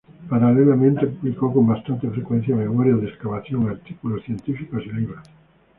Paralelamente, publicó con bastante frecuencia memorias de excavación, artículos científicos y libros.